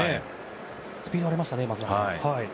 スピードがありましたね。